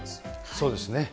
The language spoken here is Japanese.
そうですね。